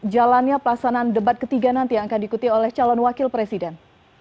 jalannya pelaksanaan debat ketiga nanti yang akan diikuti oleh calon wakil presiden